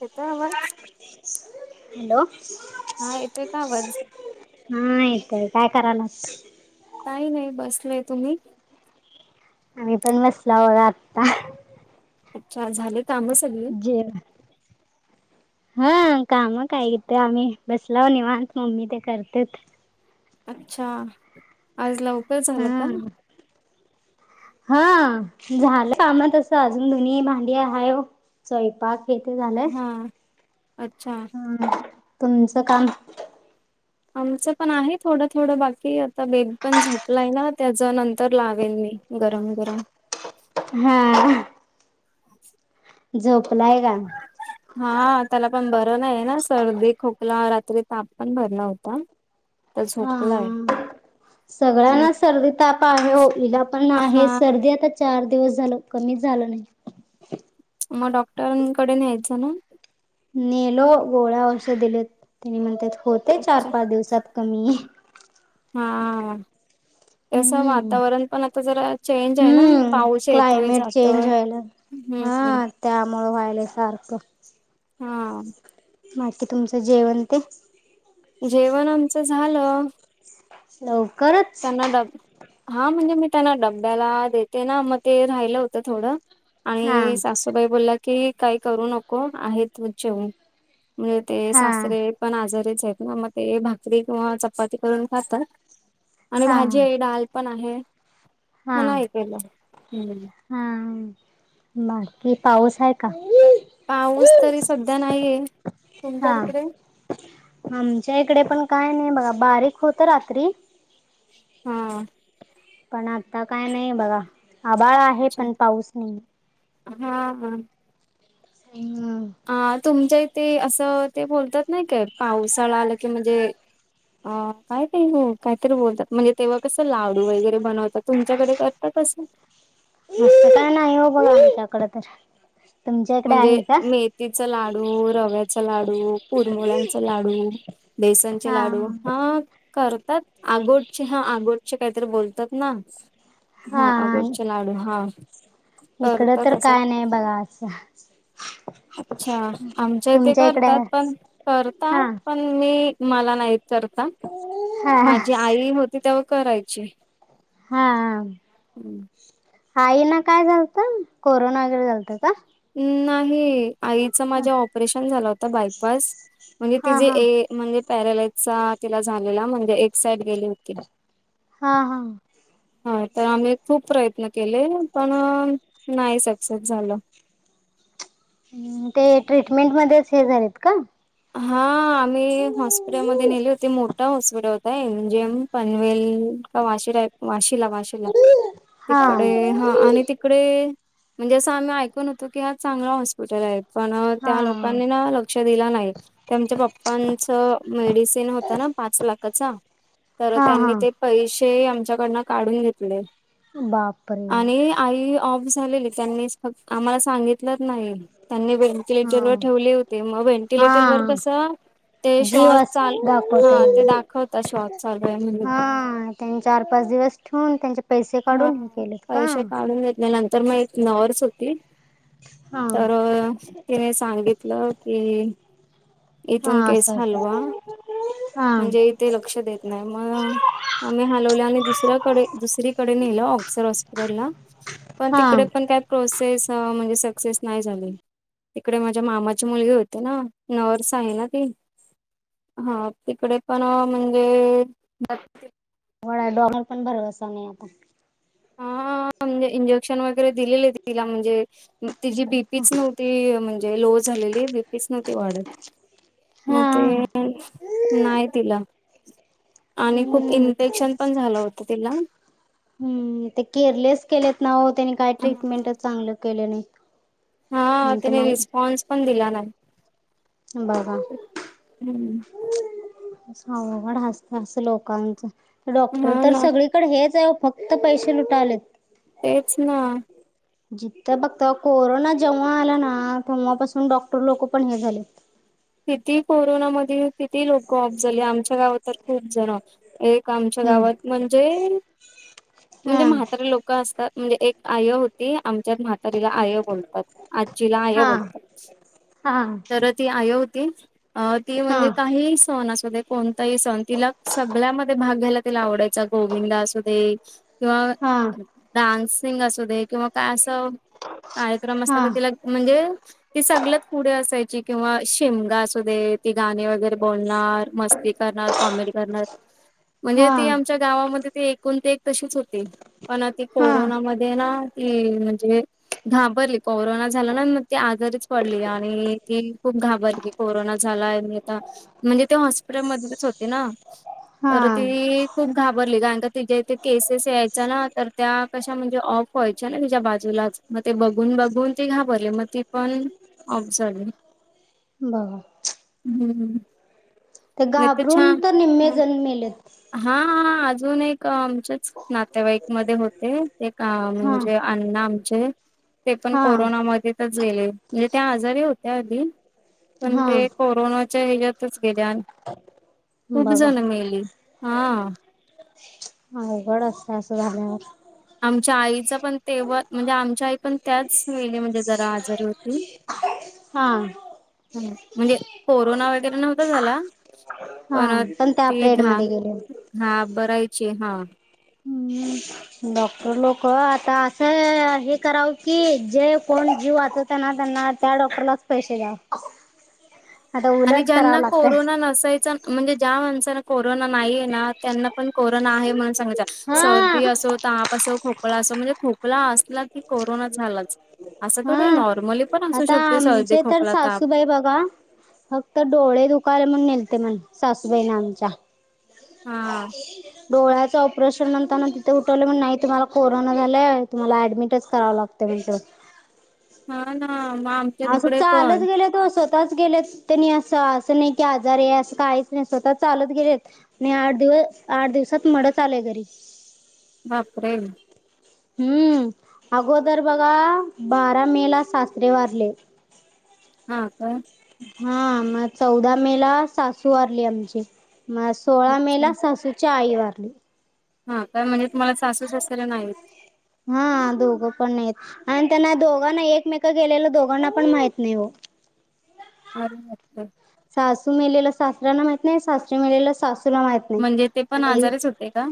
येत आवाज हॅलो हा इथे का बज हा यतय काय करायला काही नाही बसलय तुम्ही आम्ही पण बसला हो आता अच्छा झाले काम सगळे जेव हा काम काय कथ आम्ही बसला निवत मम्मी ते करते अच्छा आजला हम्म हा झालं कामातसं अजून दोनही भांडी आहे स्ोयंपाक हा अच्छा तुमचं काम आमचं पण आहे थोडं थोडं बाकी आता बेब पण झोप लाई ना त्याच नंतर लावेन मी गरम गरम हम्म झोपलाय का हा त्याला पण बरं नाही ना सर्दी खोकला रात्री ताप पण भरला होता हा सोपलाय सगळ्यांना सर्दी ताप आहे इला पण हा आहे सर्दी आता चार दिवस झाल कमीच झालं नाही म म डॉक्टरां कडे न यायच ना नेलो गोळा्या असे दिले त्याने म्हणतात होते चार अच्छा पाच दिवसात कमी आहे हा तसं हम्म वातावरण पण आता जरा चेंज आहे ना हम्म पाऊस येतोय क्लायमेट चेंज जातोय व्हायला हम्म हम् हा त्यामुळं व्हायल्यासारखं हा बाकी तुमचं जेवण ते जेवण आमचं झालं. लवकरत त्यांना ड हा म्हणजे मी त्यांना डब्याला देते ना मग ते राहिलं होतं थोडं हा आणि सासूबाई बोलल्या की काही करू नको आहे ते जेऊ ते हा सासरे पण आजारीच आहेत ना मग ते भाकरी किंवा चपाती करून खातात आणि हा भाजी आहे डाल पण आहे म हा नाही केलं हम. हा बाकी पाऊस आहे का? पाऊस तरी सध्या नाहीये, तुमच्या हा तिकडे? आमच्या इकडे पण काय नाही बघा बारीक होत रात्री. हा पण आता काय नाही बघाआभाळ आहे अच्छा पण पाऊस नाही. हा हा हम्म अ तुमच्या इथे असं ते बोलतात नाही काय पावसाळा आला कि म्हणजे अ काय काही हो कायतरी बोलतात म्हणजे तेव्हा कसं लाडू वगैरे बनवतात तुमच्याकडे करतात अस इकडं ते काय नाही हो बघ आमच्याकडे तर तुमच्या इकडे आहे म्हणजे का? मेथीचा लाडू, रव्याचा लाडू, कुरमुळंचा लाडू, बेसनचे हा लाडू हा करतात आगोटचे हा आगोटचे काहीतरी बोलतात ना हा आगोटचे लाडू हा इकडं करतात तर असं काय नाही बघा असं अच्छा आमच्या इथे तुमच्या इकडे करतात पण हा करतात पण मी मला नाही येत. करता, हा माझी आई होती तेव्हा करायची. हा आई ना काय झालतं कोरोना वगैरे झालत का? -नाही आईच माझ्या ऑपरेशन झालं होत बायपास म्हणजे हा तिझे हा ए म्हणजे पॅरलाईजचा तिला झालेला म्हणजे एक साईड गेली होती. हा हा हा तर आम्ही खूप प्रयत्न केले पण नाही सक्सेस झालं ते ट्रीटमेंटमध्येध्येच हे झालेत का? हा आम्ही हॉस्पिटलमध्ये नेले होते मोठा हॉस्पिटल होताय एम जिम पनवेल का वाशीला वाशी ला वाशी त हा तिकडे हा आणि तिकडे म्हणजे असं आम्ही ऐकून होतो की हा चांगला हॉस्पिटल आहे पण हा त्या लोकांनी ना दिला नाहीच्या पप्पांच मेडिसिन होता ना पाच लाखचा तर हा त्यांनी हा ते पैसे आमच्याकडन काढून घेतले बापरे! आणि आई ऑफ झालेली त्यांनीक् आम्हाला सांगित नाही त्यांनी व्हेंटिलेटर हा व ठेवले होते मग व्हेंटि हा व्हेंटिलवर कसं ते जीव श्वास अस चाल हा ते दाखवते. दाखवतात श्वास चालूय ये म्हणून हा त्यांनी चार पाच दिवस ठेवून त्यांचे पैसे काढून हे केलेत का त्या नंतर मग एक नर्स होती हा तर तिने सांगितलं कि इथून हा केस असं अस हलवा हा म्हणजे ते लक्ष देत नाही मग आम्ही हलवल्या आणि दुसऱ्याकडे दुसरी कडे नेल ऑक्सर हॉस्पिटलला पण हा तिकडे पण का प्रोसेस म्हणजे सक्सेस नाही झाली तिकडे माझ्या मामाची मुलगी होते ना नर्स आहे ना ती हा तिकडे पण म्हणजे व डॉर पण भरसा नाही आता हा म्हणजे इंजेक्शन वगैरे दिलेले तिला म्हणजे तिची बीपीच नव्हती ती म्हणजे लो झालेली बीपीच न तती वाढत मग हा ते नाही तिला आणि खूप हम्म इन्फेक्शन पण झालं होत तिला हम्म ते केअरलेस केलेत ना हो त्यांनी काय ट्रीटमेंट चांगलं केलं नाही हा आणि तिने तुम्हाला रिस्पॉन्स पण दिला नाही बाबा होासत असं लोकांचं तर हा डॉक्टर तर ना सगळी इकडे हेच आहे फक्त पैसे लुटावलेत तेच ना जिथथं बघत कोरोना जेव्हा आला ना तेव्हापासून डॉक्टर लोक पण हे झालेत किती कोरोनामध्ये किती लोक ऑफ झाले आमच्या गावात तर खूप जण एक आमच्या हम्म गावात म्हणजे म्हणजे हा म्हात्रे लोक असतात म्हणजे एक आय होती आमच्यात मात त तिला आय बोलतात आजीला आय हा बोलतात हा तर ती आय ती हा म्हणजे काही सण असू कोणताही सण तिला सगळ्यामध्ये भाग घ्यायला तिला आवडायचा गोविंदा असू दे किंवा हा डान्सिंग असू दे किंवा काय असं कार्यक्रम असत हा तर तिला म्हणजे ती सगळत पुढे असायची किंवा शिमगा असू दे ती गाणी वगैरे बोलणार मस्ती करणार कॉमेडी करणार म्हणजे हा ती आमच्या गावामध्ये ती एकूण ते एक तशीच होती पण ती हा कोरोनामध्ये ना ती म्हणजे घाबरली कोरोना झाला ना मग ती आजारीच पडली आणि ती खूप घाबरली कोरोना झालाय आ म्हणजे ते हॉस्पिटल मधच होते ना हा तर ती खूप घाबरली कारण का तिच्या इथे केसेस यायचा ना तर त्या कशा म्हणजे ऑफ व्हायच्या ना तिच्या बाजूलाच मग ते बघून बघून ती घाबरली मग ती पण सले बा हम्म ते नाही घाबरून छान तर निम्म जण्मेलेत हा हा अजून एक आमच्याच नातेवाईकमध्येध्ये होते ते हा म्हणजे अण्णा आमचे ते पण हा कोरोनामध्ये गे म्हणजे त्या आजारी होत आधी पण हा ते कोना च्या हच्यातच गेल्या खूप बघा जण मेली हा अवघडच असं झाल्यावर आमच्या आईचा पण तेव्हा म्हणजे आमच्या आई पण त्याच वेळेमध्ये जरा आजारी होती हा ह म्हणजे कोरोना वगैरे नव्हता झाला हा पण त्यापेड मध्ये गेले हो हा बरायची हा हम्म डॉक्टर लोक आता असं हे करावं की जे कोण जीव वाच त्यांना त्यांना त्या डॉक्टरलाच पैसे द्या आणि ज्यांना कोरोना नसायचा म्हणजे ज्या माणसाना कोरोना नाहीय आहे ना त्यांना पण कोरोना आहे म्हणून सांगयच सर्दी हा असो ताप असो खोकला असो म्हणजे खोकला असला की कोरोना झालाच असं हा थोडं नॉर्मली पण असू आता शकते सर्दी, आमचे तर खोकला, ताप सासूबाई बघा... फक्त डोळे दुकायले म्हणून नेलते म्हणे सासूबाई आमच्या.... हा.... ह.... डोळ्याचं ऑपरेशनंतर ना तिथं उठवलं म्हण नाही तुम्हाला कोरोना झालं आहे तुम्हाला ऍडमिटच करावं लागतं म्हतं... हा ना.... आमच्या असं तिकडे चालच पण गेले तो स्वतः...... स्वतच गेलेत त्यांनी असं असं नाही की आजार आहे असं काहीच नाही स्वतः चालत गेलेत... नाही आठ दिवस आठ दिवसात मड आलेय घरी... बापरेल... हम्म अगोदर बघा बारा मे ला सासरे वारले.... हा का? हा मग चौदा मे ला सासू वारली आमची म.... सोळा अच्छा. मेला सासूच्या आई वारली... हा काय म्हणजे तुम्हाला सासू सासरे नाहीत.... हा दोघं पण नाही... आणि त्यांना दोघांना एकमेका गेलेला दोघांना पण माहित नाही हो... अर नस्. सासू मेलेलं सासऱ्याला माहित नाही सासरे मेलेलं सासूला माहित नाही.... म्हणजे ते पण आणि आजारच होते का?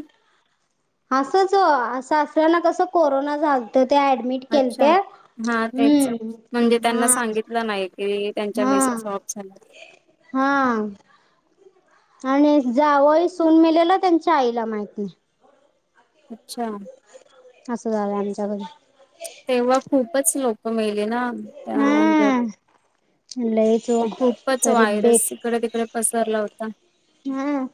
असंच असं असलं ना कसं कोरोना झालंत ते ऍडमिट..... मीट अच्छा केलते हा तेच म्हणजे हम्म त्यांना हा... सांगितलं नाही की त्यांच्या हा मिसेस ऑफ झालेत.... हा आणि जावय सून मेलेला त्यांच्या आईला माहित नाही अच्छा... असं झालं आमच्या घरी... तेव्हा खूपच लोक मेले ना.... त्या म्ह हा लईच ओ खूपच तरी वायरस इकडे तिकडे.... पसरला होता.... हा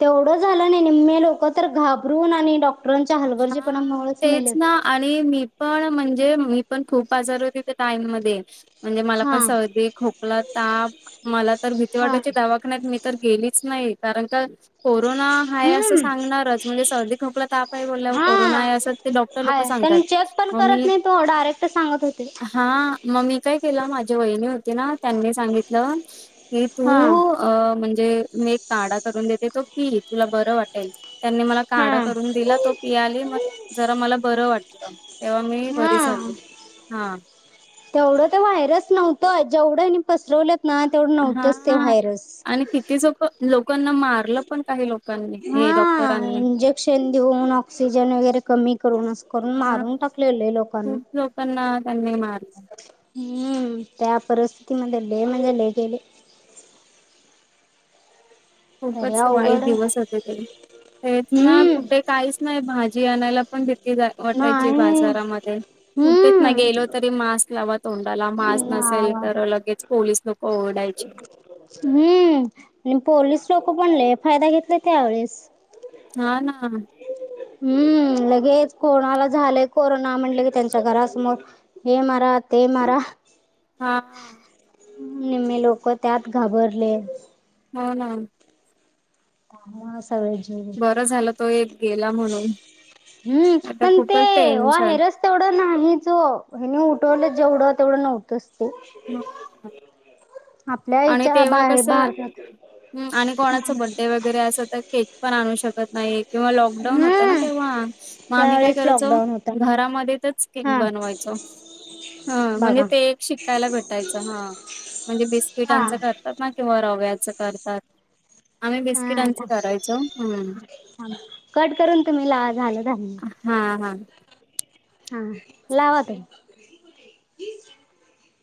तेवढं झालं ना निम्मे लोक तर घाबरून आणि डॉक.... क्टरांच्या हा हलगर्जीपणामुळेच तेच मेलेत.... ना आणि मी पण म्हणजे मी पण खूप आजार होते त्या टाईम मध्ये..... म्हणजे मला हा पण सर्दी खोकला ताप मला तर भीती हा वाटायची दवाखाण्यात नाहीत मी..... तर गेलीच नाही कारण का कोरोना ह असं हम्म सांगणारच म्हणजे सर्दी खोकला ताप.. हा ब अस डॉक्टर लोक हाय सांगतात पण चेक पण मग करत म... नाही तो डायरेक्ट सांगत होते. हा मग मी काय केलं माझ्या वहिणी होती ना त्यांनी सांगितलं की तू.... हा अ म्हणजे मी एक काढा करून देते तो पी तुला बरं वाटेल.... त्यांनी मला हा काढा करून दिला तो पियाली मग जरा मला बरं वाटलं.... तेव्हा मी बरी हा... झाली हा तेवढं ते व्हायरस नव्हतं जेवढं पसरवलंत ना तेवढं नव्हतंच ते हा व्हायरस.... आणि किती सोप लोकांना मार.... हा इंजेक्शन देऊन ऑक्सिजन वगैरे.... कमी करून असं करून हा मारून टाकलेले लय लोकांना.... खूप लोकांना त्यांनी मारलं हम्म त्या परिस्थितीमध्ये लय म्हणजे लय गेले..... तरी खूपच अवघड वाईट आहे. दिवस होते ते तेच ना हम्म कुठे काही.... नाही भाजी आणायला पण भीती जा वाटायची नाही बाजारामध्ये.... कुठेच नाही हम्म गेलो तरी मास्क लावा तोंडाला मास्क नसेल नावा तर लगेच पोलीस लोक ओरडायची.... हम्म आणि पोलीस लोक पण लय फायदा घेतला त्यावेेळेस..... हा ना.... हम्म लगेच कोणाला झालंय कोरोना म्हणलं की त्यांच्या घरासमोर. ये मरा ते मरा. हा. निम्मी लोक त्यात घाबरले. हम हम. ह हा सगळ. ह् बरं झालं तो एक गेला म्हणून. हम्म आता पण ते खूपच टेन्शन वाहेरच. तेवढं नाही ज हे उठवलं जेवढं तेवढं नव्हतच ते. हा. आपल्या आणि याच्या तेव्हा बाहेर कस भारतात आणि कोणाच बर्डे वगैरे अस तर केक. पण आणू शकत नाही किंवा लॉकडाऊन होता ना हम्म तेव्हा. मग आम्ही काय त्यावेेळेस करायचो लॉकडाऊन होता घरामध्येच केक हा बनवायचो. हा म्हणजे बघा ते एक शिकायला भेटायचं हा म्हणजे हा बिस्किटांच कर. ात ना किंवा रव्याचं करतात. आम्ही बिस्किटांच थांब करायचो हम्. थांब कट करून तुम्ही लावा झालं दहा मिनिट हां हां. हा लावा त.